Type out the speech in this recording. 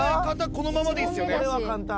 このままでいいよね